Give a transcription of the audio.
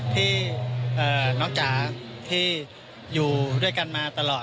ที่น้องจ๋าที่อยู่ด้วยกันมาตลอด